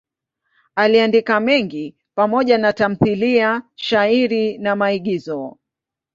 Aliandika mengi pamoja na tamthiliya, shairi na maigizo.